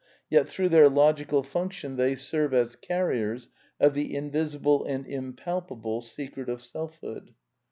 Yet through their logical func tion they serve as carriers of the invisible and impalpable secret of selfhood.